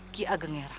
ki ageng ngerang